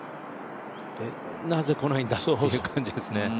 なぜこないんだっていう感じですね。